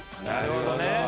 なるほどね。